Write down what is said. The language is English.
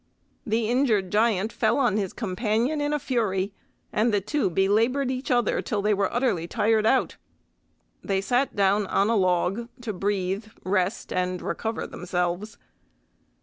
The injured giant fell on his companion in fury, and the two belaboured each other till they were utterly tired out. They sat down on a log to breathe, rest, and recover themselves.